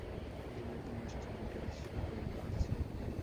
বিনয় পুনশ্চ জিজ্ঞাসা করিল, আছে?